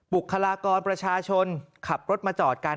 บุคลากรประชาชนขับรถมาจอดกัน